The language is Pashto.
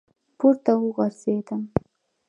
پـورتـه وغورځـېدم ،